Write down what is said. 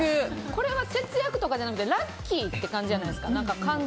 これは節約とかじゃなくてラッキーって感じじゃないですか。